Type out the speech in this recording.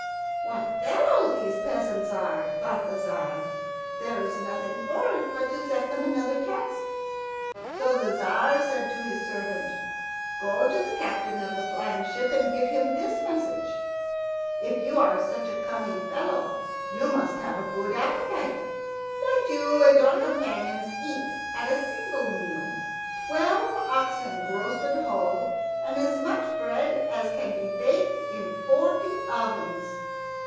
"What fellows these peasants are," thought the Tzar. "There is nothing for it but to set them another task." So the Tzar said to his servant, "Go to the captain of the flying ship and give him this message: 'If you are such a cunning fellow, you must have a good appetite. Let you and your companions eat at a single meal twelve oxen roasted whole, and as much bread as can be baked in forty ovens!'"